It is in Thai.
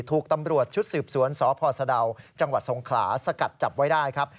ถูกตำรวจชุดสืบสวนสพสะดาวจังหวัดสงขลาสกัดจับไว้ได้ครับ